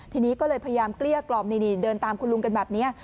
ทีนี้ก็เลยพยายามเกลี้ยกล่อมนี่เดินตามคุณลุงกันแบบนี้